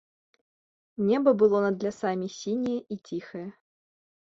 Неба было над лясамі сіняе і ціхае.